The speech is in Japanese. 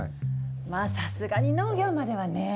まあさすがに農業まではね。